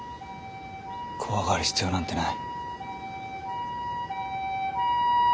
怖がる必要なんてない。